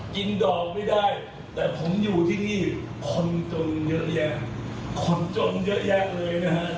กินดอกไม่ได้แต่ผมอยู่ที่นี่คนจนเยอะแยะคนจนเยอะแยะเลยนะครับ